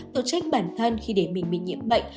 tổ chức bản thân khi để mình bị nhiễm bệnh